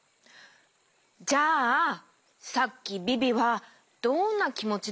じゃあさっきビビはどんなきもちだったとおもう？